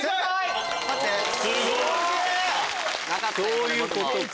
そういうことか。